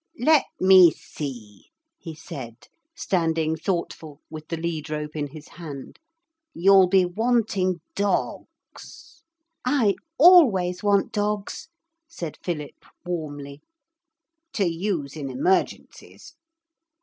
'Let me see,' he said, standing thoughtful with the lead rope in his hand, 'you'll be wanting dogs ' 'I always want dogs,' said Philip warmly. ' to use in emergencies.'